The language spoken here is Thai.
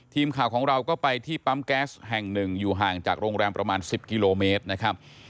ทีมข่าวของเราก็ไปที่ปั๊มแก๊สแห่งหนึ่งอยู่ห่างจากโรงแรมประมาณ๑๐กิโลเมตรนะครับ